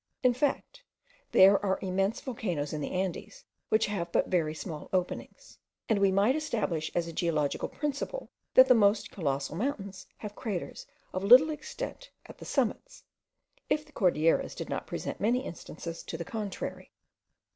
In fact, there are immense volcanoes in the Andes, which have but very small openings; and we might establish as a geological principle, that the most colossal mountains have craters of little extent at the summits, if the Cordilleras did not present many instances to the contrary.